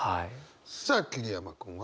さあ桐山君は？